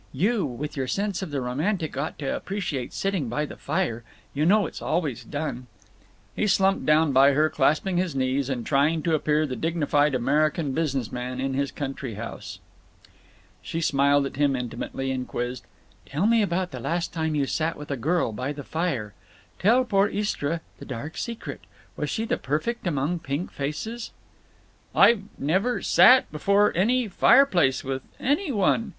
You, with your sense of the romantic, ought to appreciate sitting by the fire. You know it's always done." He slumped down by her, clasping his knees and trying to appear the dignified American business man in his country house. She smiled at him intimately, and quizzed: "Tell me about the last time you sat with a girl by the fire. Tell poor Istra the dark secret. Was she the perfect among pink faces?" "I've—never—sat—before—any—fireplace—with —any—one!